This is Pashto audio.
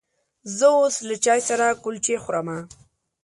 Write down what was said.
زه اوس له چای سره کلچې خورمه.